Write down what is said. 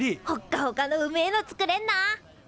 ほっかほかのうめえの作れんな！